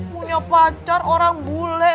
punya pacar orang bule